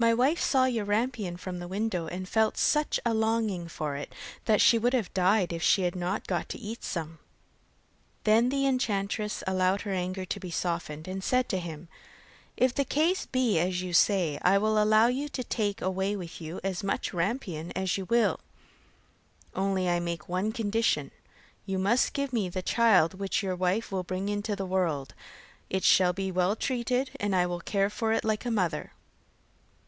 My wife saw your rampion from the window, and felt such a longing for it that she would have died if she had not got some to eat.' Then the enchantress allowed her anger to be softened, and said to him: 'If the case be as you say, I will allow you to take away with you as much rampion as you will, only I make one condition, you must give me the child which your wife will bring into the world; it shall be well treated, and I will care for it like a mother.